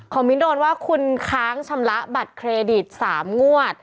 มิ้นโดนว่าคุณค้างชำระบัตรเครดิต๓งวด